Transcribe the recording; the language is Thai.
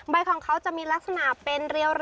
ของเขาจะมีลักษณะเป็นเรียว